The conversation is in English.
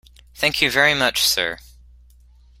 Thank you very much, sir.